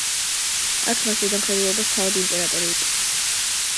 აქ მას ზედამხედველობას თავად იმპერატორი უწევდა.